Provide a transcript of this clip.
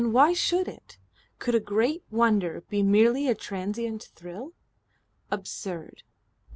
Why should it? Could a Great Wonder be merely a transient thrill? Absurd.